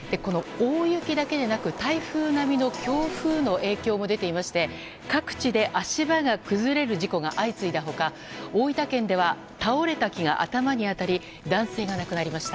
大雪だけでなく台風並みの強風の影響も出ていまして各地で足場が崩れる事故が相次いだ他、大分県では倒れた木が頭に当たり男性が亡くなりました。